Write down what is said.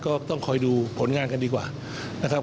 ก็ต้องคอยดูผลงานกันดีกว่านะครับ